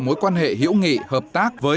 mối quan hệ hữu nghị hợp tác với